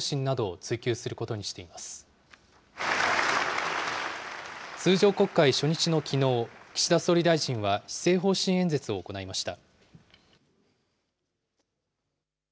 通常国会初日のきのう、岸田総理大臣は施政方針演説を行いました。